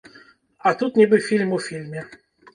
А тут нібы фільм у фільме.